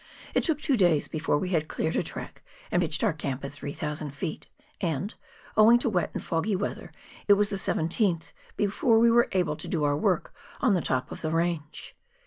It took two days before we had cleared a track and pitched our camp at 3,000 ft., and, owing to wet and foggy weather, it was the 17th before we were able to do our work on the top of the range.